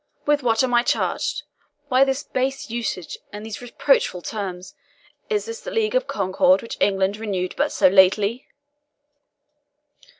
With what am I charged? Why this base usage and these reproachful terms? Is this the league of concord which England renewed but so lately?"